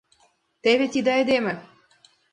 Теве тиде айдеме...